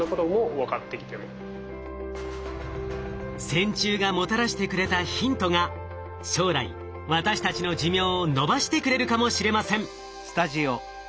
線虫がもたらしてくれたヒントが将来私たちの寿命を延ばしてくれるかもしれません。